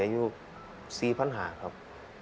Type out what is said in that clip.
อย่าอยู่สี่พันหาครับ